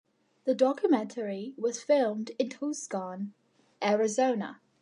The documentary was filmed in Tucson, Arizona.